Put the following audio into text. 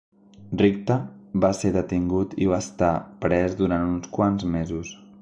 Richta va ser detingut i va estar pres durant uns quants mesos.